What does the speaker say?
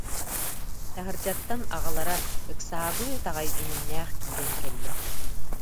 Таһырдьаттан аҕалара ыксаабыт аҕай дьүһүннээх киирэн кэллэ: